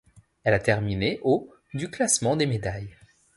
Elle a terminé au du classement des médailles.